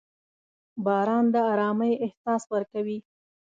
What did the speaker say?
• باران د ارامۍ احساس ورکوي.